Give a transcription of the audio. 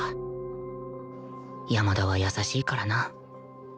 山田は優しいからな